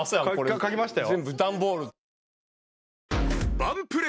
書きましたよ。